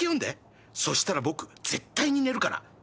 そしたら僕絶対に寝るから。